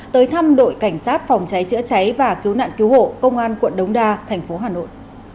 tới thăm đội cảnh sát phòng cháy chữa cháy và cứu nạn cứu hộ công an quận đống đa thành phố hà nội